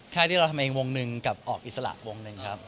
แค่ที่เราทำเองวงหนึ่งกับออกอิสระวงหนึ่งครับ